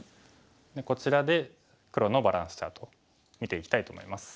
こちらで黒のバランスチャート見ていきたいと思います。